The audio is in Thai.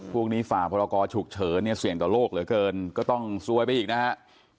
พวกนี้ฝ่าพรกรฉุกเฉินเนี่ยเสี่ยงต่อโลกเหลือเกินก็ต้องซวยไปอีกนะครับ